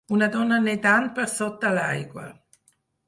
Una dona nedant per sota l'aigua.